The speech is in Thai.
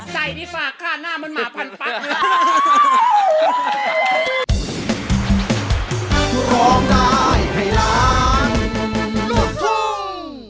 ใส่ที่ฝากฆ่าหน้ามันหมาพันฟัน